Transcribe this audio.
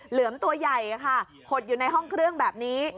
เหลือมตัวใหญ่ค่ะหดอยู่ในห้องเครื่องแบบนี้